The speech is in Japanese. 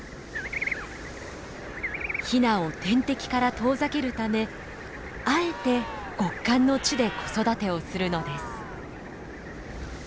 ヒナを天敵から遠ざけるためあえて極寒の地で子育てをするのです。